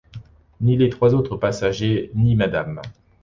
Ni les trois autres passagers ni Mrs.